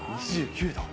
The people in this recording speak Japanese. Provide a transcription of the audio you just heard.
２９度。